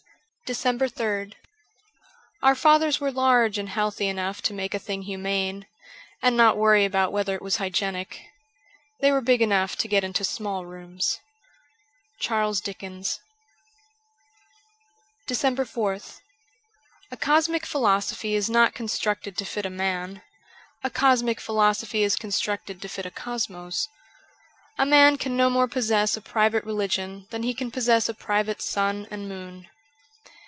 374 DECEMBER 3rd OUR fathers were large and healthy enough to make a thing humane, and not worry about whether it was hygienic. They were big enough to get into small rooms. ' Charles Dickens.' 375 DECEMBER 4th ACOSMIC philosophy is not constructed to fit a man ; a cosmic philosophy is con structed to fit a cosmos. A man can no more possess a private religion than he can possess a private sun and moon.